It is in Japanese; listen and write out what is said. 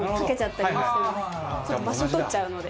ちょっと場所取っちゃうので。